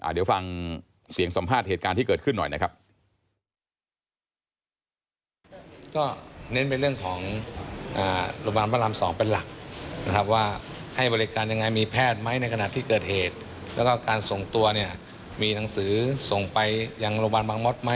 เดี๋ยวฟังเสียงสัมภาษณ์เหตุการณ์ที่เกิดขึ้นหน่อยนะครับ